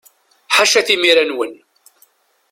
Ḥaca timira-nwen!